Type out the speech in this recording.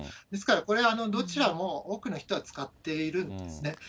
ですからこれはどちらも、多くの人は使っているんですね。